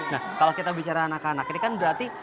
nah kalau kita bicara anak anak ini kan berarti